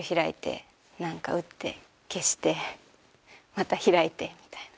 また開いてみたいな。